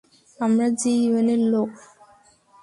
আমরা যি ইউয়েনের লোক!